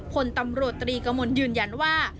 คนตำรวจตรีกระมวลยืนยันว่า